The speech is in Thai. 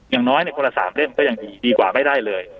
อย่างน้อยคนละ๓เล่มก็ยังดีดีกว่าไม่ได้เลย